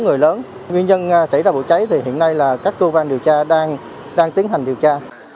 nguyên nhân xảy ra vụ cháy hiện nay các cơ quan điều tra đang tiến hành điều tra